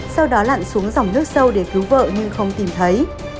sau đó lặn xuống dòng nước sâu để cứu vợ nhưng không tìm thấy